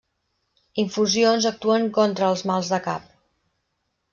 Infusions actuen contra els mals de cap.